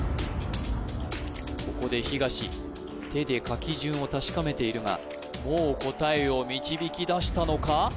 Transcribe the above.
ここで東手で書き順を確かめているがもう答えを導き出したのか？